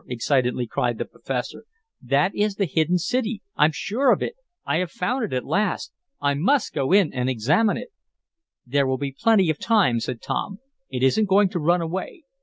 excitedly cried the professor. "That is the hidden city! I'm sure of it! I have found it at last! I must go in and examine it!" "There'll be plenty of time," said Tom. "It isn't going to run away.